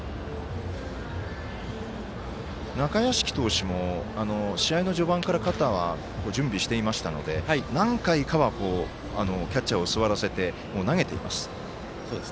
中屋敷投手も試合の序盤から肩は準備していましたので何回かはキャッチャーを座らせて投げています。